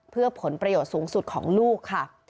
เพื่อผลประโยชน์สูงสุดของลูกค่ะ